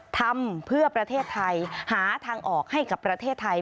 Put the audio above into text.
ทำเพื่อประเทศไทยหาทางออกให้กับประเทศไทย